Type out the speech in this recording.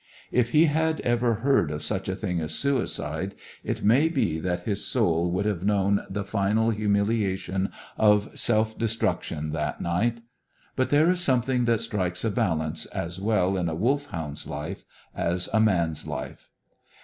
If he had ever heard of such a thing as suicide, it may be that his soul would have known the final humiliation of self destruction that night. But there is something that strikes a balance, as well in a Wolfhound's life as a man's life.